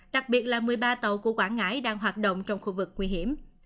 đặc biệt là một mươi ba tàu của quảng ngãi đang hoạt động trong khu vực nguy hiểm